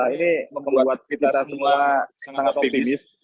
ini membuat kita semua sangat optimis